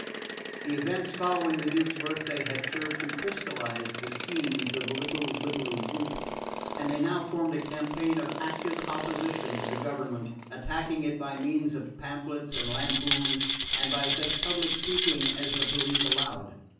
The events following the Duke's birthday had served to crystallise the schemes of the little liberal group, and they now formed a campaign of active opposition to the government, attacking it by means of pamphlets and lampoons, and by such public speaking as the police allowed.